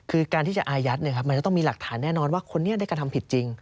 คือการที่จะอายัดมันจะต้องมีหลักฐานแน่นอนว่าคนนี้ได้กระทำผิดจริง